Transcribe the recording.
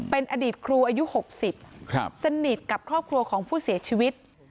เป็นอดีตครูอายุ๖๐สนิทกับครอบครัวของผู้เสียชีวิต